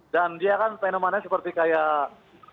dan dia kan fenomennya seperti kayak